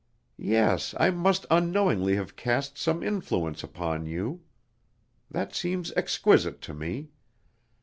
Yes, I must unknowingly have cast some influence upon you. That seems exquisite to me.